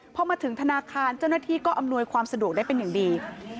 พอมาถึงธนาคารเจ้าหน้าที่ก็อำนวยความสะดวกได้เป็นอย่างดี